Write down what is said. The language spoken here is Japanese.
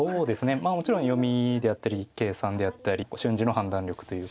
もちろん読みであったり計算であったり瞬時の判断力というか。